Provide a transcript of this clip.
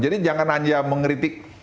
jadi jangan saja mengeritik